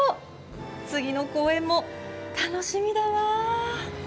次の公演も楽しみだわ。